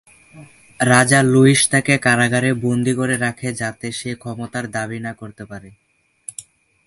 রাজা লুইস তাকে কারাগারে বন্দী করে রাখে যাতে সে ক্ষমতার দাবী না করতে পারে।